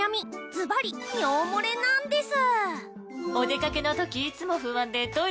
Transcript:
ずばり尿もれなンデス！